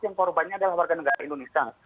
yang korbannya adalah warga negara indonesia